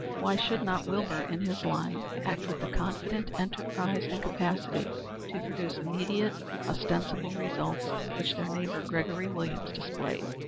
Why should not Wilbur, in his line, act with the confident enterprise and capacity to produce immediate, ostensible results which their neighbor, Gregory Williams, displayed?